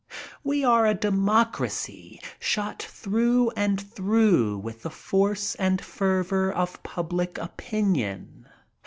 We are a democ racy, shot through and through with the force and fervor of public opinion.